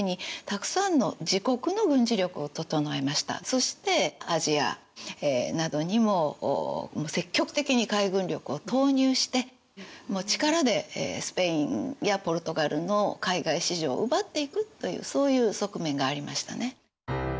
そしてアジアなどにも積極的に海軍力を投入してもう力でスペインやポルトガルの海外市場を奪っていくというそういう側面がありましたね。